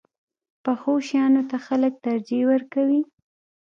پخو شیانو ته خلک ترجیح ورکوي